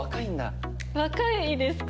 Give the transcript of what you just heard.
若いですか？